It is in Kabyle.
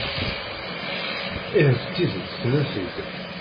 Ih, d tidet tenna-t-id.